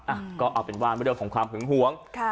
อ่ะก็เอาเป็นว่าเรื่องของความหึงหวงค่ะ